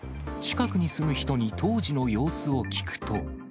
近くに住む人に当時の様子を聞くと。